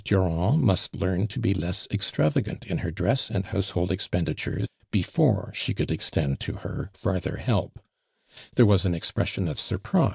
Durand must leain to be less extravagant in her dress anil household expenditure before slie could extend to her farther heljj. There was an expre sion of suri)ri.